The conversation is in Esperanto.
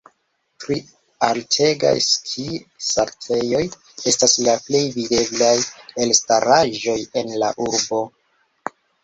Tri altegaj ski-saltejoj estas la plej videblaj elstaraĵoj en la urbo.